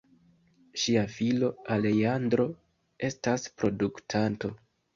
Ŝia filo Alejandro estas produktanto.